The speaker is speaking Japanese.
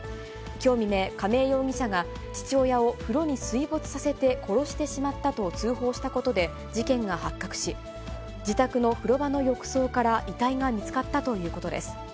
きょう未明、亀井容疑者が父親を風呂に水没させて殺してしまったと通報したことで事件が発覚し、自宅の風呂場の浴槽から遺体が見つかったということです。